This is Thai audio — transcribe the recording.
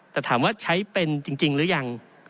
แต่ถามว่าใช้เป็นจริงหรือยัง